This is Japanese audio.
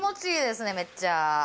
めっちゃ。